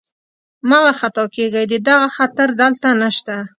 مه وارخطا کېږئ، د دغه خطر دلته نشته.